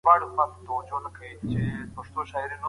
هغه د حقايقو د موندلو لټه کوي.